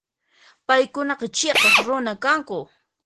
Paykunaqa chhiqaq runa kanku.